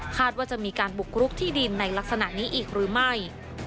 ว่าจะมีการบุกรุกที่ดินในลักษณะนี้อีกหรือไม่